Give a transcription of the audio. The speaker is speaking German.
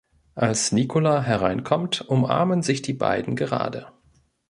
Als Nikola hereinkommt, umarmen sich die beiden gerade.